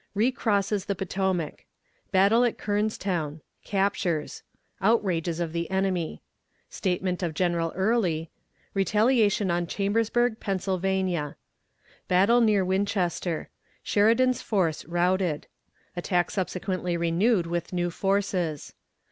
Recrosses the Potomac. Battle at Kernstown. Captures. Outrages of the Enemy. Statement of General Early. Retaliation on Chambersburg, Pennsylvania. Battle near Winchester. Sheridan's Force routed. Attack subsequently renewed with New Forces.